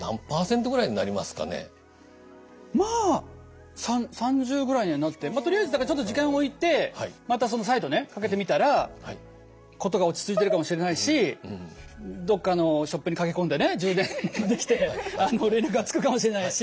まあ３０ぐらいにはなってとりあえずだからちょっと時間置いてまた再度ねかけてみたら事が落ち着いてるかもしれないしどっかのショップに駆け込んでね充電できて連絡がつくかもしれないし。